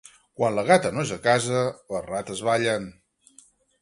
Quan la gata no és a casa, les rates ballen.